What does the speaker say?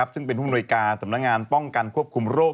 ซึ่งเป็นผู้มนวยการสำนักงานป้องกันควบคุมโรค